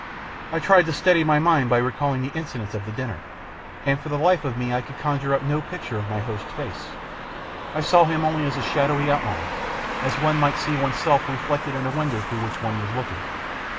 I tried to steady my 5 5 8 THE PLATTNER STORY AND OTHERS mind by recalling the incidents of the dinner, and for the life of me I could conjure up no picture of my host's face ; I saw him only as a shadowy outline, as one might see oneself reflected in a window through which one was looking.